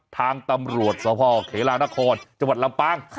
ทางตำรวจสพเขลานครจังหวัดลำปาง